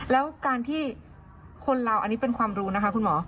แล้วการที่คนเราอันนี้เป็นความรู้นะคะคุณหมอ